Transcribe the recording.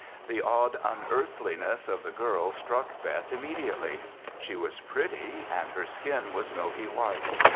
The odd unearthliness of the girl struck Beth immediately. She was pretty and her skin was milky white.